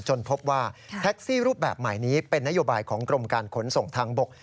พบว่าแท็กซี่รูปแบบใหม่นี้เป็นนโยบายของกรมการขนส่งทางบก